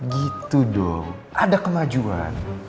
gitu dong ada kemajuan